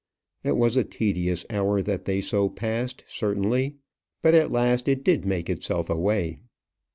It was a tedious hour that they so passed, certainly; but at last it did make itself away.